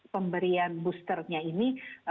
pemberian boosternya ini